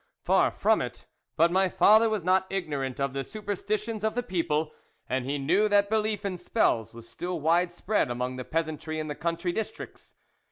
Far from it; but my father was not ignorant of the superstitions of the people, and he knew that belief in spells was still wide spread among the peasantry in the country districts.